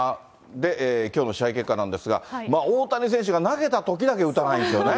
で、きょうの試合結果なんですが、大谷選手が投げたときだけ打たないんですよね。